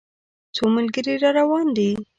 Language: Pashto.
څو ملګري را روان دي.